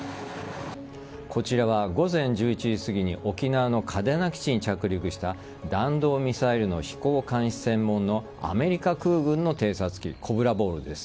こちらは午前１１時すぎに沖縄の嘉手納基地に着陸した弾道ミサイルの飛行監視専門のアメリカ空軍の偵察機コブラボールです。